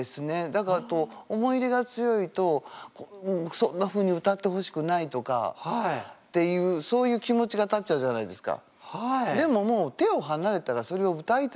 だから思い入れが強いとそんなふうに歌ってほしくないとかっていうそういう気持ちが立っちゃうじゃないですか。